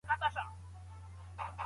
د سولې کلتور د کرکې پر ځای جوړ شي.